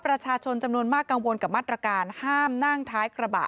ประชาชนจำนวนมากกังวลกับมาตรการห้ามนั่งท้ายกระบะ